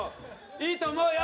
いいと思うよ。